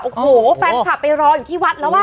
โอ้โหแฟนคลับไปรออยู่ที่วัดแล้วอ่ะ